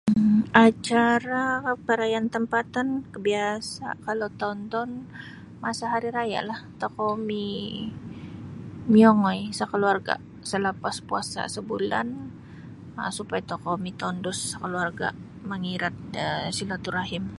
um Acara perayaan tempatan biasa' kalau toun-toun masa hari rayalah tokou mi miongoi da keluarga' selepas puasa' sebulan supaya tokou mitondus keluarga mangirat da silaturrohim.